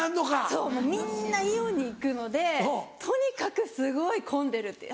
そうみんなイオンに行くのでとにかくすごい混んでるっていう。